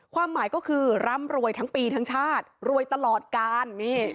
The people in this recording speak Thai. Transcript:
ความหมายก็คือร่ำรวยทั้งปีทั้งชาติรวยตลอดการ